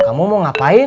kamu mau ngapain